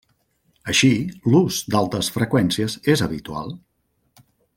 Així, l'ús d'altes freqüències és habitual.